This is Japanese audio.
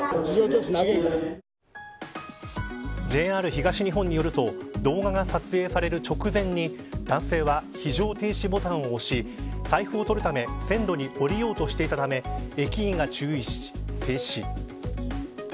ＪＲ東日本によると動画が撮影される直前に男性は、非常停止ボタンを押し財布を取るため線路に下りようとしていたため駅員が注意し制止。